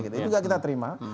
itu juga kita terima